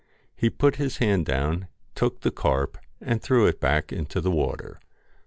He put his hand down, took the carp, and threw it back into the water.